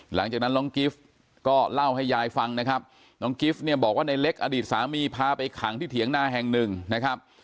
หลังจากนั้นน้องกิฟต์ก็เล่าให้ยายฟังนะครับน้องกิฟต์เนี่ยบอกว่าในเล็กอดีตสามีพาไปขังที่เถียงนาแห่งหนึ่งนะครับ